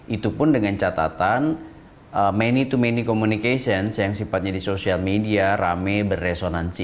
itu pun dengan catatan many to many communications yang sifatnya di sosial media rame berresonansi